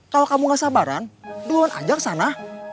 kalau kamu gak sabaran duluan aja kesana